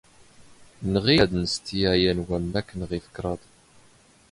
ⵏⵖⵉⵢ ⴰⴷ ⵏⵙⵜⵉ ⴰⵢⴰ ⵏ ⵡⴰⵎⵎⴰⴽⵏ ⵖⵉⴼ ⴽⵔⴰⴹ.